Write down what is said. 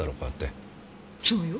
そうよ。